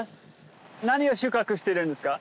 何を収穫してるんですか？